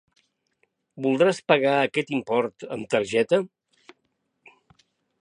Voldràs pagar aquest import amb targeta?